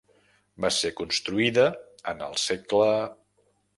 Va ser construïda en el segle.